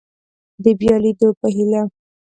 د بیا لیدو په هیله